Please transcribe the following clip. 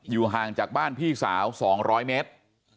ห่างจากบ้านพี่สาว๒๐๐เมตร